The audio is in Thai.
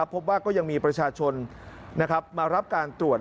พบว่าก็ยังมีประชาชนมารับการตรวจ